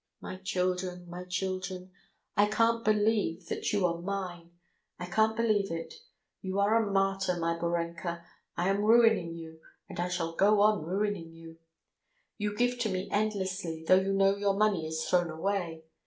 My children, my children, I can't believe that you are mine! I can't believe it! You are a martyr, my Borenka, I am ruining you, and I shall go on ruining you. ... You give to me endlessly, though you know your money is thrown away.